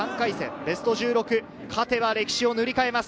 ベスト１６、勝てば歴史を塗り替えます。